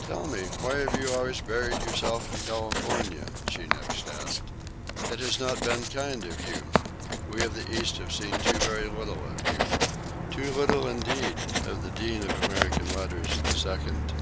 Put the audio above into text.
"Tell me, why have you always buried yourself in California?" she next asked. "It has not been kind of you. We of the East have seen so very little of you—too little, indeed, of the Dean of American Letters, the Second."